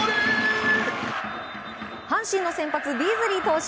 阪神の先発ビーズリー投手